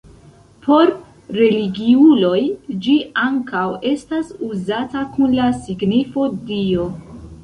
Por religiuloj ĝi ankaŭ estas uzata kun la signifo Dio.